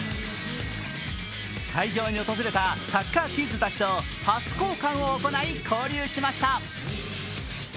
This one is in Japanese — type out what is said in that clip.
会場に訪れたサッカーキッズたちとパス交換を行い交流しました。